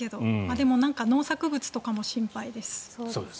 農作物とかも心配です。